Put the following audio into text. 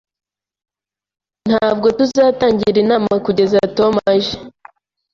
Ntabwo tuzatangira inama kugeza Tom aje